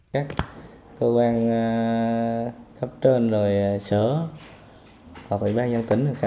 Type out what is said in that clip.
các cơ quan khắp trên sở hoặc bãi ban dân tỉnh